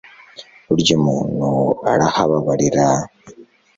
burya muntu arahababarira